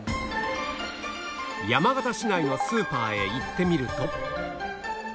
山形市内のスーパーへ行ってみると